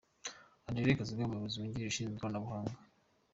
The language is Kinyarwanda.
Andrew Kazigaba umuyobozi wungirije ushinzwe ubukangurambaga